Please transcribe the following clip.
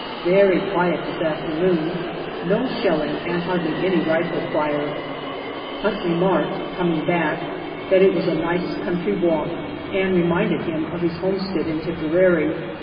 Very quiet this afternoon ; no shelling, and hardly any rifle fire. Hunt remarked, coming back, that it was a nice 260 GALLIPOLI DIARY country walk, and reminded him of his homestead in Tipperary.